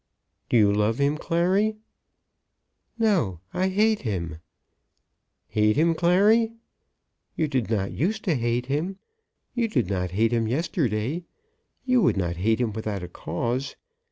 "Do you love him, Clary?" "No. I hate him." "Hate him, Clary? You did not use to hate him. You did not hate him yesterday? You would not hate him without a cause.